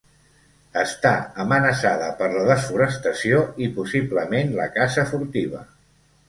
Està amenaçada per la desforestació i, possiblement, la caça furtiva.